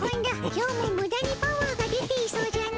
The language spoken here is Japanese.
今日もむだにパワーが出ていそうじゃの。